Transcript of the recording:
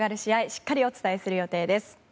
しっかりお伝えする予定です。